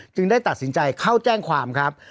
ได้ตัดสินใจเข้าแจ้งความครับ